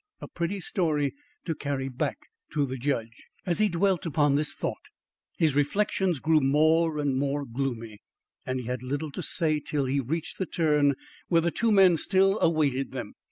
A pretty story to carry back to the judge. As he dwelt upon this thought, his reflections grew more and more gloomy, and he had little to say till he reached the turn where the two men still awaited them.